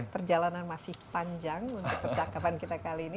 perjalanan masih panjang untuk percakapan kita kali ini